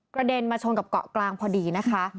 เด็นมาชนกับเกาะกลางพอดีนะคะ